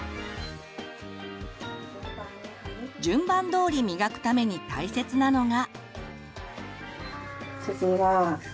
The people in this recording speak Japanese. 順番どおり磨くために大切なのが。